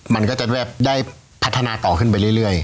มันก็จะได้พัฒนาต่อขึ้นไปเรื่อย